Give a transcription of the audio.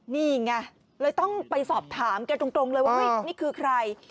นี่ไงเลยต้องไปสอบถามแกตรงเลยว่าเฮ้ยนี่คือใคร